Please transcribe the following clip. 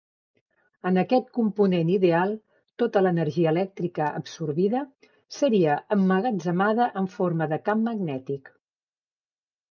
En aquest component ideal tota l'energia elèctrica absorbida seria emmagatzemada en forma de camp magnètic.